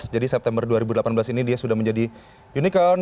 september dua ribu delapan belas ini dia sudah menjadi unicorn